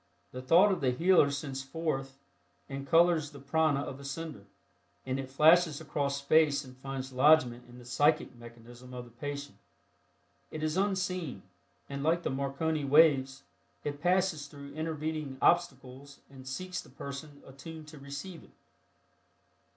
The thought of the healer sends forth and colors the prana of the sender, and it flashes across space and finds lodgment in the psychic mechanism of the patient. It is unseen, and like the Marconi waves, it passes through intervening obstacles and seeks the person attuned to receive it.